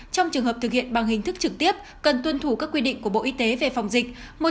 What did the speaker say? trong trường hợp thực hiện bằng hình thức trực tiếp cần tuân thủ các quy định của bộ y tế về phòng dịch